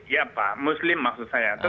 ya pak muslim maksud saya